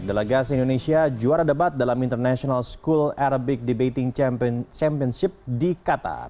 delegasi indonesia juara debat dalam international school arabic debating championship di qatar